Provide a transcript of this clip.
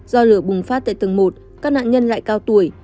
do lửa bùng phát tại tầng một các nạn nhân lại cao tuổi